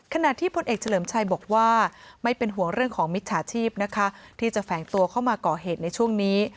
ขณะที่พลเอกเฉลิมชัยบอกว่าไม่เป็นห่วงเรื่องของมิจฉาชีพนะคะที่จะแฝงตัวเข้ามาก่อเหตุในช่วงนี้